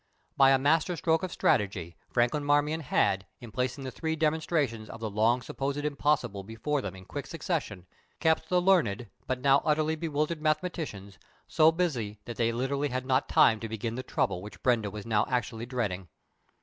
By a master stroke of strategy Franklin Marmion had, in placing the three demonstrations of the long supposed impossible before them in quick succession, kept the learned, but now utterly bewildered mathematicians so busy that they literally had not time to begin "the trouble" which Brenda was now actually dreading.